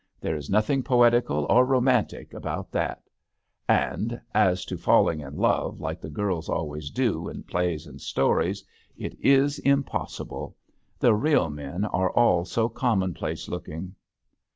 There is nothing poetical or romantic about that; and as to falling in love like the girls always do in plays and stories, it is impos sible. The real men are all so commonplace looking."